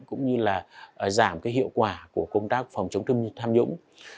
cũng như là giảm hiệu quả của công tác phòng chống tham nhũng